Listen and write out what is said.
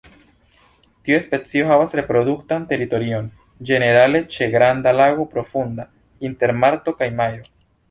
Tiu specio havas reproduktan teritorion, ĝenerale ĉe granda lago profunda, inter marto kaj majo.